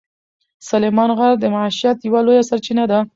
سلیمان غر د معیشت یوه لویه سرچینه ده.